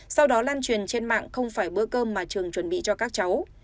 sau đó lan truyền trên mạng không phải bữa cơm mà trường chuẩn bị cho các cháu